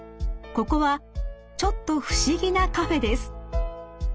ここはちょっと不思議なカフェです。